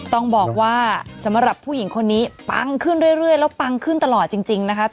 ต้องบอกว่าสำหรับผู้หญิงคนนี้ปังขึ้นเรื่อยแล้วปังขึ้นตลอดจริงนะคะ